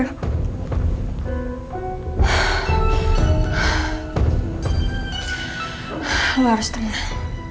lo harus tenang